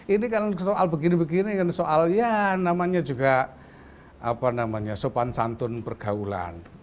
ini kan soal begini begini kan soal ya namanya juga apa namanya sopan santun pergaulan